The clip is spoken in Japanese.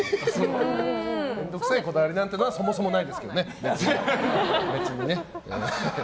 面倒くさいこだわりっていうのはそもそもないと思いますけどね。